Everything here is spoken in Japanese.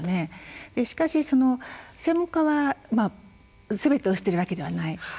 しかし専門家はすべてを知っているわけではない。